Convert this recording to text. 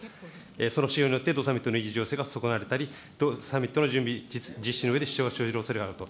その使用によってＧ７サミットのが損なわれたり、サミットの準備、実施のうえで支障が生じるおそれがあると。